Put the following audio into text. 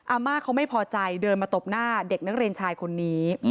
อาม่าเขาไม่พอใจเดินมาตบหน้าเด็กนักเรียนชายคนนี้